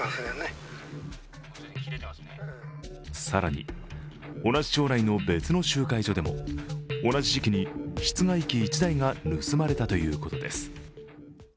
更に同じ町内の別の集会所でも同じ時期に室外機１台が盗まれたということです。